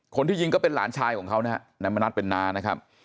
คนที่ยิงก็เป็นหลานชายของเขานะฮะนายมณัฐเป็นน้านะครับ